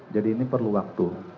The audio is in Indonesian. jadi ini perlu waktu